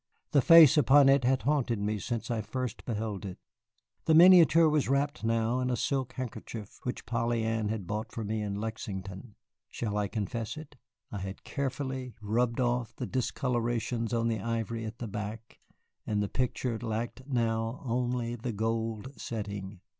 The face upon it had haunted me since I had first beheld it. The miniature was wrapped now in a silk handkerchief which Polly Ann had bought for me in Lexington. Shall I confess it? I had carefully rubbed off the discolorations on the ivory at the back, and the picture lacked now only the gold setting.